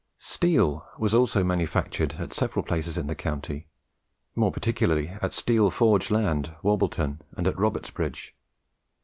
Steel was also manufactured at several places in the county, more particularly at Steel Forge Land, Warbleton, and at Robertsbridge.